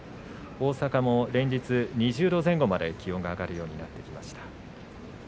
大阪も連日２０度前後まで気温が上がってきています。